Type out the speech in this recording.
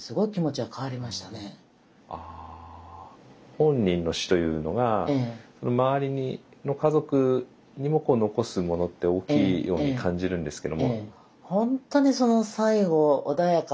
本人の死というのが周りの家族にも残すものって大きいように感じるんですけど。